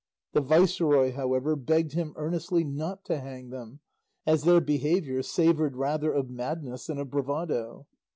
The viceroy, however, begged him earnestly not to hang them, as their behaviour savoured rather of madness than of bravado.